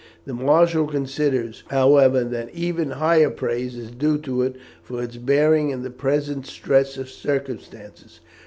The marshal considers, however, that even higher praise is due to it for its bearing in the present stress of circumstances.